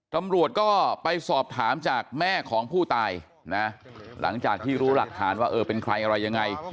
ตำรวจก็ไปสอบถามจากแม่ของผู้ตายนะหลังจากที่รู้หลักฐานว่าเออเป็นใครอะไรยังไง